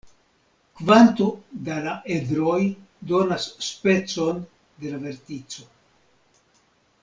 Kvanto da la edroj donas specon de la vertico.